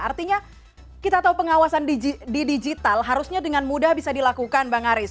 artinya kita tahu pengawasan di digital harusnya dengan mudah bisa dilakukan bang aris